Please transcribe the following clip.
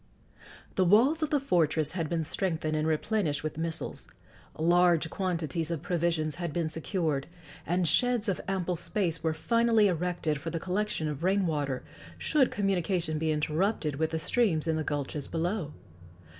The walls of the fortress had been strengthened and replenished with missiles; large quantities of provisions had been secured, and sheds of ample space were finally erected for the collection of rain water, should communication be interrupted with the streams in the gulches below.